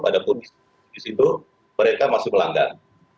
walaupun di situ mereka masih melanggar